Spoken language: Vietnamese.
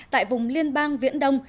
tại vùng liên bang viễn đông